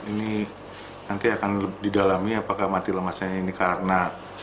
ini nanti akan didalami apakah mati lemasnya ini karena